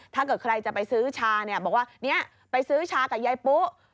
ถ้าเกิดใครจะไปซื้อชาเนี่ยบอกว่าเนี่ยไปซื้อชากับยายปุ๊